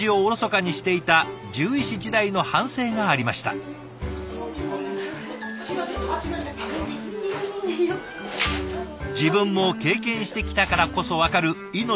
自分も経験してきたからこそ分かる命と向き合う大変さ。